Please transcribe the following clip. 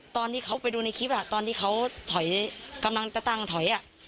ตอนที่เขาไปดูในคลิปตอนที่เขาถอยกำลังจะตั้งถอย